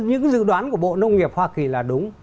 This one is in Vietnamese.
nếu như những dự đoán của bộ nông nghiệp hoa kỳ là đúng